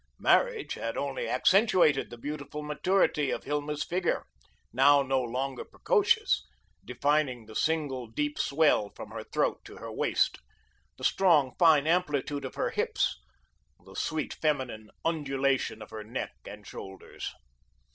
Marriage had only accentuated the beautiful maturity of Hilma's figure now no longer precocious defining the single, deep swell from her throat to her waist, the strong, fine amplitude of her hips, the sweet feminine undulation of her neck and shoulders.